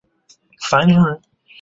樊陵人。